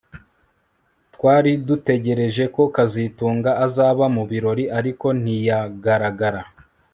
Twari dutegereje ko kazitunga azaba mu birori ariko ntiyagaragara